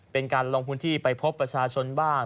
เป็นการลงพื้นที่ไปพบประชาชนบ้าง